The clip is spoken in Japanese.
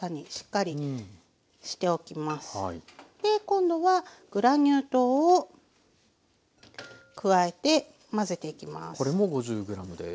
今度はグラニュー糖を加えて混ぜていきます。